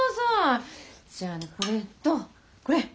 じゃあねこれとこれ！